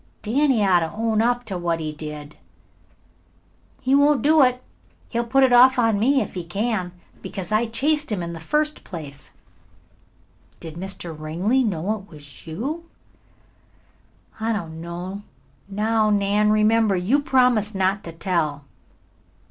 "Danny ought to own up that he did it." "He won't do it. He'll put it off on me if he can, because I chased him in the first place." "Did Mr. Ringley know it was you?" "I don't know. Now, Nan, remember, you promised not to tell."